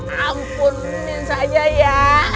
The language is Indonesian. kampun min sajya ya